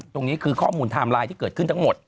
ตรงนี้คือข้อมูลไทม์ไลน์ที่เกิดขึ้นทั้งหมด